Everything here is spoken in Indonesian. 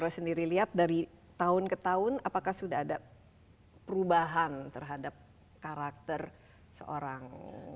jadi tahun ke tahun apakah sudah ada perubahan terhadap karakter seorang ahok